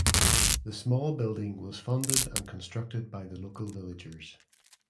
The small building was funded and constructed by the local villagers.